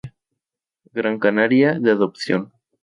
Grancanaria de adopción.